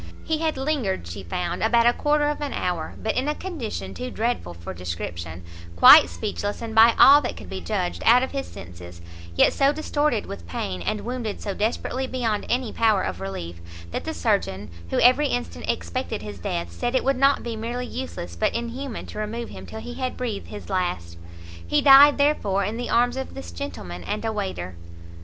He had lingered, she found, about a quarter of an hour, but in a condition too dreadful for description, quite speechless, and, by all that could be judged, out of his senses; yet so distorted with pain, and wounded so desperately beyond any power of relief, that the surgeon, who every instant expected his death, said it would not be merely useless but inhuman, to remove him till he had breathed his last. He died, therefore, in the arms of this gentleman and a waiter.